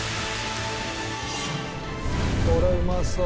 これうまそう。